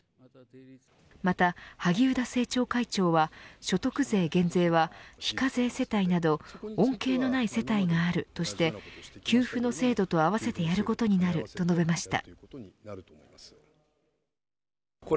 また、萩生田政調会長は所得税減税は、非課税世帯など恩恵のない世帯があるとして給付の制度と合わせてやることになると述べました。